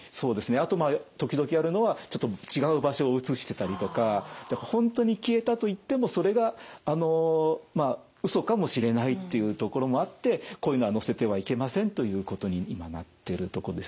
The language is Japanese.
あと時々あるのは本当に消えたといってもそれがうそかもしれないというところもあってこういうのは載せてはいけませんということに今なってるとこです。